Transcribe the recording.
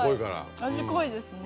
味濃いですね。